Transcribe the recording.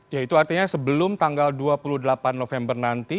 ya itu artinya sebelum tanggal dua puluh delapan november nanti